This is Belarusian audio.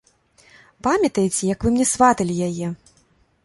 Памятаеце, як вы мне сваталі яе?